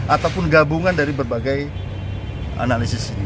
ataupun gabungan dari berbagai analisis